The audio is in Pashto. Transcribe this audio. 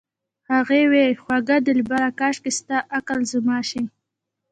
هغې وې خوږه دلبره کاشکې ستا عقل زما شي